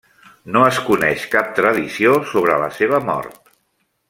No es coneix cap tradició sobre la seva mort.